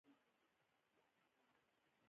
آیا موږ خپل وړۍ پروسس کوو؟